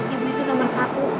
ibu itu nomor satu